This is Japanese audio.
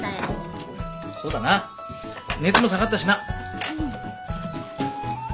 そうだな熱も下がったしな。